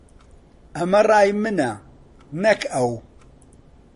ئەمە ڕای منە، نەک ئەو.